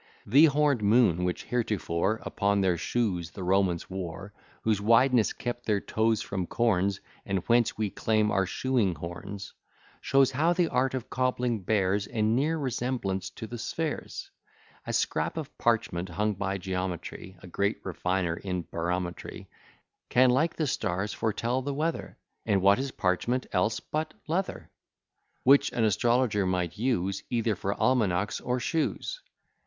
The horned moon, which heretofore Upon their shoes the Romans wore, Whose wideness kept their toes from corns, And whence we claim our shoeing horns, Shows how the art of cobbling bears A near resemblance to the spheres. A scrap of parchment hung by geometry, (A great refiner in barometry,) Can, like the stars, foretell the weather; And what is parchment else but leather? Which an astrologer might use Either for almanacks or shoes.